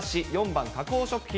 ４番、加工食品。